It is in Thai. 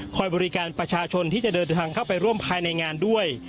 บริการประชาชนที่จะเดินทางเข้าไปร่วมภายในงานด้วย